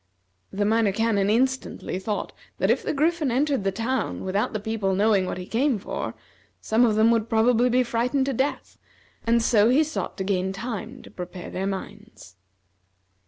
The Minor Canon instantly thought that if the Griffin entered the town without the people knowing what he came for, some of them would probably be frightened to death, and so he sought to gain time to prepare their minds.